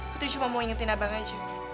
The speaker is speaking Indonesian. putri cuma mau ingetin abang aja